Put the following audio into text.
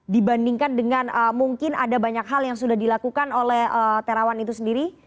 dibandingkan dengan mungkin ada banyak hal yang sudah dilakukan oleh terawan itu sendiri